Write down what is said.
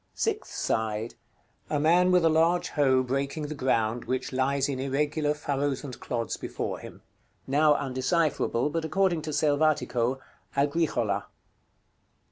Sixth side. A man, with a large hoe, breaking the ground, which lies in irregular furrows and clods before him. Now undecipherable, but according to Selvatico, "AGRICHOLA."